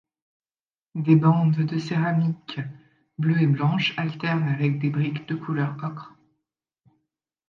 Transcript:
Des bandes de céramiques bleues et blanches alternent avec des briques de couleur ocre.